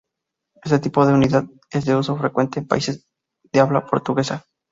Este tipo de unidad es de uso frecuente en países de habla portuguesa.